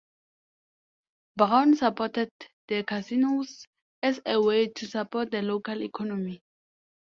Brown supported the casinos as a way to support the local economy.